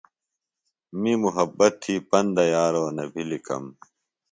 می محبت تھی پندہ یارو نہ بھلی کم۔